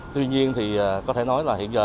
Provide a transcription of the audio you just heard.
tuy nhiên thì có thể nói là hiện giờ